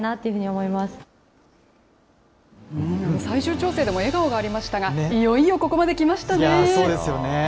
最終調整でも笑顔がありましたが、いよいよここまで来ましたそうですよね。